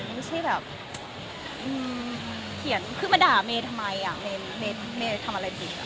ไม่ใช่แบบเขียนคือมาด่าเมย์ทำไมเมย์ทำอะไรผิด